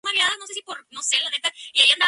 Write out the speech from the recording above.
Cansado de esta situación decide no ir a la iglesia.